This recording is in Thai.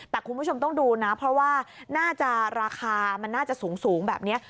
แต่คุณผู้ชมต้องดูนะเพราะว่าน่าจะราคามันน่าจะสูงแบบนี้